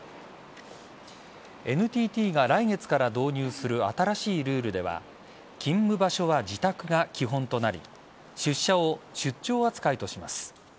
ＮＴＴが来月から導入する新しいルールでは勤務場所は自宅が基本となり出社を出張扱いとします。